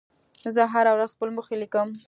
زه هره ورځ خپل موخې لیکم.